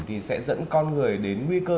thì sẽ dẫn con người đến nguy cơ